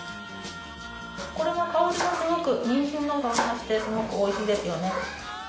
これは香りがすごくニンジンの香りがしてすごくおいしいですよね。